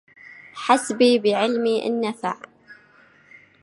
حسبي بعلمي إن نفع